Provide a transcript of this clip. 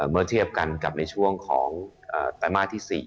เมื่อเทียบกันกับในช่วงของไตรมาสที่๔